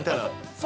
そう